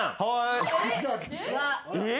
えっ？